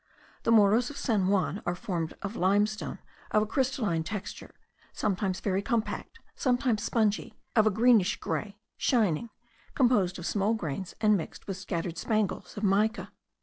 The Morros of San Juan are formed of limestone of a crystalline texture; sometimes very compact, sometimes spongy, of a greenish grey, shining, composed of small grains, and mixed with scattered spangles of mica.